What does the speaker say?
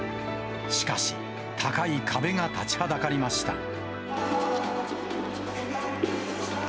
しかし、高い壁が立ちはだかりました。